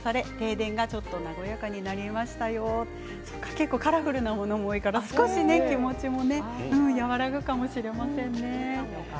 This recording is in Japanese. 結構カラフルなものが多いから気持ちもね和らぐかもしれませんね。